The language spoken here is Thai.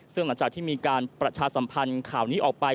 ซึ่งหลังจากที่มีการประชาสัมพันธ์ข่าวนี้ออกไป